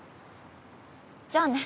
じゃあね。